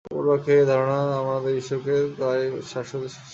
অপর পক্ষে, এই ধারণাদ্বারা আমরা ঈশ্বরকে পাই শাশ্বত সৃষ্টিকর্তারূপে।